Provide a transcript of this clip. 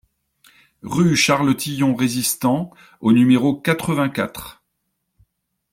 Rue Charles Tillon Résistant au numéro quatre-vingt-quatre